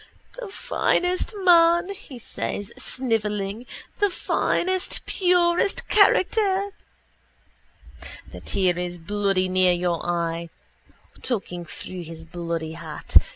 —The finest man, says he, snivelling, the finest purest character. The tear is bloody near your eye. Talking through his bloody hat.